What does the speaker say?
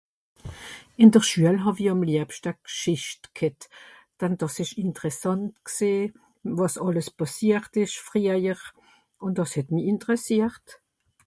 Ìn d'r Schüel hàw-i àm liebschta gschicht ghet. Dann dàs ìsch interessànt gsìì, wàs àlles pàssiert ìsch, friahjer. Ùn dàs het mi interessiert.